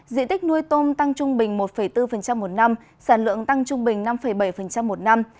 diện tích nuôi tôm tăng trung bình một bốn một năm sản lượng tăng trung bình năm bảy một năm